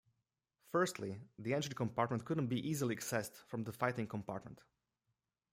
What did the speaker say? Firstly the engine compartment couldn't be easily accessed from the fighting compartment.